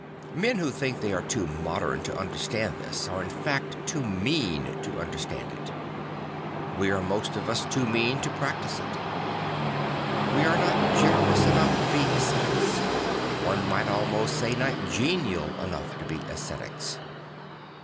Men who think they are too modem to understand this are in fact too mean to under stand it; we are most of us too mean to practise it. We are not generous enough to be ascetics; one might almost say not genial enough to be ascetics.